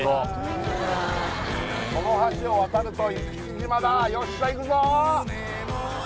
この橋を渡ると生口島だよっしゃ行くぞ！